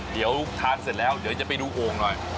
เดี๋ยวทานเสร็จแล้วจะไปดูโองหน่อย